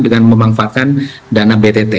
dengan memanfaatkan dana btt